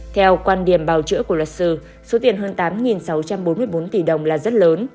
theo quan điểm bào chữa của luật sư số tiền hơn tám sáu trăm bốn mươi bốn tỷ đồng là rất lớn